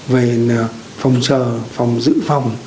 về phòng chờ phòng giữ phòng